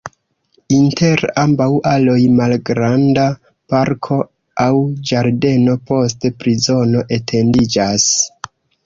Inter ambaŭ aloj malgranda parko aŭ ĝardeno, poste prizono etendiĝas.